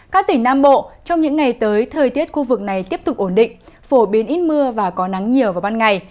các tỉnh nam bộ trong những ngày tới thời tiết khu vực này tiếp tục ổn định phổ biến ít mưa và có nắng nhiều vào ban ngày